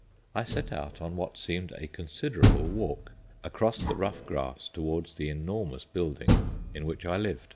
I set out on what seemed a considerable walk across the rough grass towards the enormous building in which I lived.